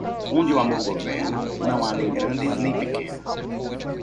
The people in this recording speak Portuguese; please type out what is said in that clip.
Onde o amor governa, não há nem grande nem pequeno.